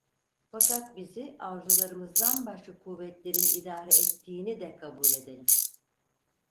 Fakat bizi arzularımızdan başka kuvvetlerin idare ettiğini de kabul edelim.